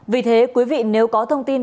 vì thế quý vị nếu có thông tin